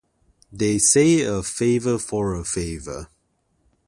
They say a favor for a favor.